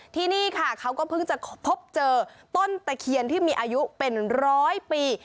ที่นี่ค่ะเขาก็เพิ่งจะพบเจอต้นตะเคียนที่มีอายุเป็นร้อยปี